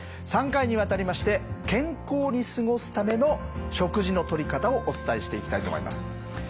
３回にわたりまして健康に過ごすための食事のとり方をお伝えしていきたいと思います。